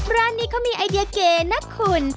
ร้านนี้เขามีไอเดียเกย์นักขุน